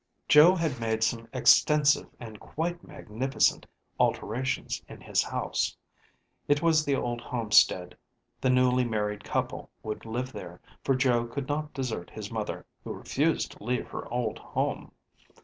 Joe had made some extensive and quite magnificent alterations in his house. It was the old homestead; the newly married couple would live there, for Joe could not desert his mother, who refused to leave her old home.